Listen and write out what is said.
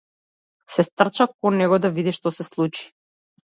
Се стрча кон него да види што се случи.